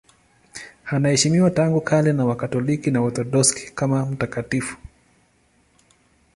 Anaheshimiwa tangu kale na Wakatoliki na Waorthodoksi kama mtakatifu.